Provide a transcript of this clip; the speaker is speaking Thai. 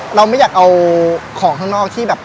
เราไม่อยากเอาของข้างนอกที่แบบ